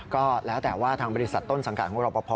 ก็แล้วแต่ว่าทางบริษัทต้นสังกัดของรอปภ